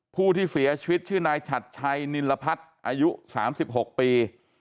ผู้ที่เสียชีวิตชื่อนายฉัดชัยนินรพัฒน์อายุ๓๖ปี